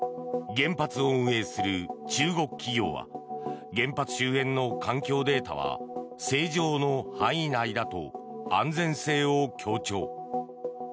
原発を運営する中国企業は原発周辺の環境データは正常の範囲内だと安全性を強調。